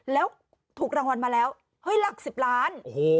แล้วถูกรางวัลมาแล้วเฮ้ยหลัก๑๐ล้าน